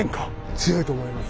強いと思います。